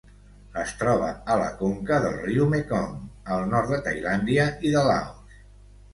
Es troba a la conca del riu Mekong al nord de Tailàndia i de Laos.